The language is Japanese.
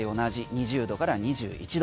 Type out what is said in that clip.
２０度から２１度